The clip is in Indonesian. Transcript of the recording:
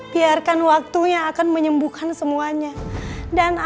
biarkan waktunya akan menyembuhkan semua yang ada di dalam dirimu